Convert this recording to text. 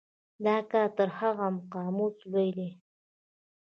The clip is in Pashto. دا کار تر هر قاموس لوی دی.